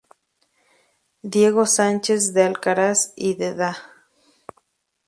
Diego Sánchez de Alcaraz y de Da.